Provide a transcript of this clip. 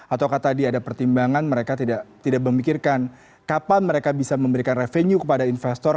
atau tadi ada pertimbangan mereka tidak memikirkan kapan mereka bisa memberikan revenue kepada investor